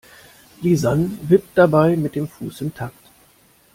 Lisann wippt dabei mit dem Fuß im Takt.